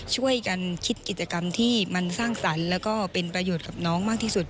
ช่วยกันคิดกิจกรรมที่มันสร้างสรรค์แล้วก็เป็นประโยชน์กับน้องมากที่สุด